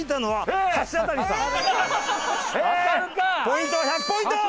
ポイントは１００ポイント！